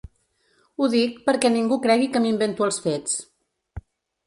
Ho dic perquè ningú cregui que m’invento els fets.